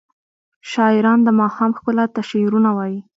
شاعران د ماښام ښکلا ته شعرونه وايي.